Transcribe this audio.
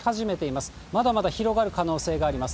まだまだ広がる可能性があります。